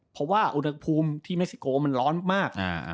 เพราะว่าอุณหภูมิที่เม็กซิโกมันร้อนมาก